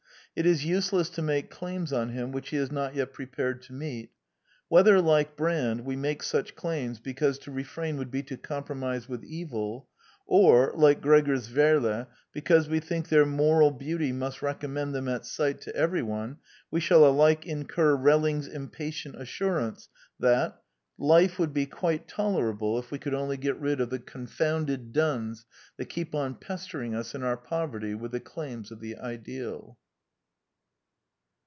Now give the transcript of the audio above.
It is useless to make claims on him which he is not yet prepared to meet. Whether, like Brand, We make such claims because to refrain would be to compromise with evil, or, like Gregers Werle, be cause we think their moral beauty must recom mend them at sight to everyone, we shall alike incur Relling's impatient assurance that '* life would be quite tolerable if we could only get rid The Anti Idealist Plays 113 of the confounded duns that keep on pestering us in our poverty with the claims of the ideal."